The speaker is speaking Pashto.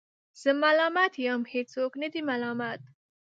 زه ملامت یم ، هیڅوک نه دی ملامت